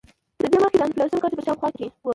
تر دې مخکې د انفلاسیون کچه په شاوخوا کې وه.